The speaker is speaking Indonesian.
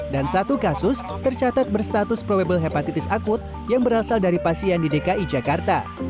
dan satu kasus tercatat berstatus probable hepatitis akut yang berasal dari pasien di dki jakarta